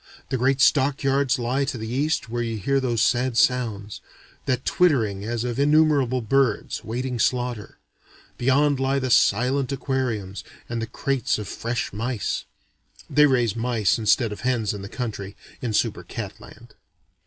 The great stock yards lie to the east where you hear those sad sounds: that twittering as of innumerable birds, waiting slaughter. Beyond lie the silent aquariums and the crates of fresh mice. (They raise mice instead of hens in the country, in Super cat Land.)